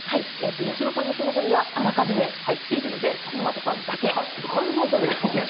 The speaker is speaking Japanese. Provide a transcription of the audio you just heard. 八代さんのスマホにはあらかじめ入っているので勝俣さんだけお願いします。